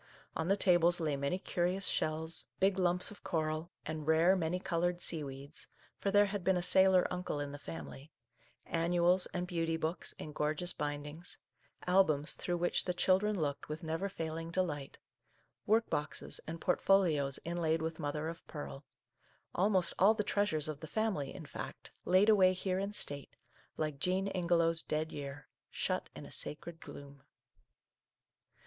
On the tables lay many curious shells, big lumps of coral, and rare, many coloured seaweeds, — for there had been a sailor uncle in the family, — annu als and beauty books in gorgeous bindings, albums through which the children looked with never failing delight, work boxes and portfolios inlaid with mother of pearl ; almost all the treasures of the family, in fact, laid away here in state, like Jean Ingelow's dead year, cc shut in a sacred gloom.